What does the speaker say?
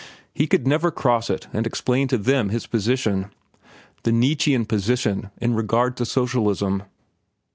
He could never cross it and explain to them his position,—the Nietzschean position, in regard to socialism.